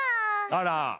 あら。